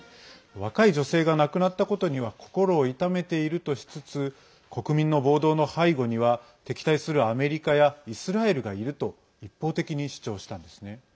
若い女性が亡くなったことには心を痛めているとしつつ国民の暴動の背後には敵対するアメリカやイスラエルがいると一方的に主張したんですね。